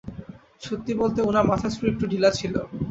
সত্যি বলতে, উনার মাথার স্ক্রু একটু ঢিলা ছিল।